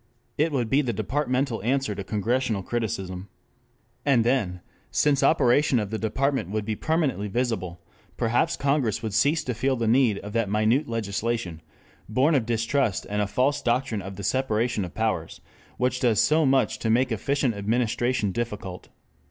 It would be the departmental answer to Congressional criticism. And then, since operation of the Department would be permanently visible, perhaps Congress would cease to feel the need of that minute legislation born of distrust and a false doctrine of the separation of powers, which does so much to make efficient administration difficult.